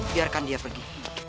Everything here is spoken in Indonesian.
biarkan dia pergi